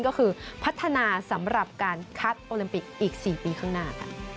ก็คือพัฒนาสำหรับการคัดโอลิมปิกอีก๔ปีข้างหน้า